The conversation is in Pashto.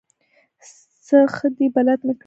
ځه ښه دی بلد مې کړې.